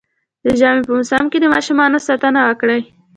د ژمي په موسم کي د ماشومانو ساتنه وکړئ